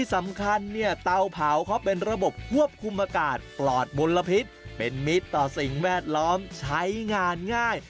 สำคัญเนี่ยเตาเผาเขาเป็นระบบควบคุมอากาศปลอดมลพิษเป็นมิตรต่อสิ่งแวดล้อมใช้งานง่าย